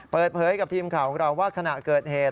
เปิดเผยกับทีมข่าวของเราว่าขณะเกิดเหตุ